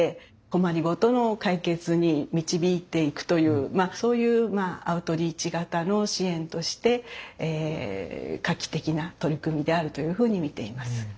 困り事の解決に導いていくというそういうアウトリーチ型の支援として画期的な取り組みであるというふうに見ています。